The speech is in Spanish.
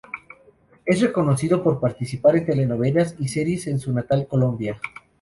Es reconocido por participar en telenovelas y series en su natal Colombia.